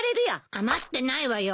余ってないわよ。